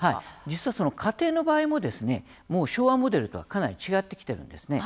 実はその家庭の場合ももう昭和モデルとはかなり違ってきてるんですね。